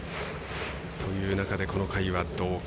という中で、この回はどうか。